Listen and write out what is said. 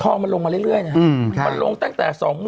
มันลงมาเรื่อยนะครับมันลงตั้งแต่๒๐๐๐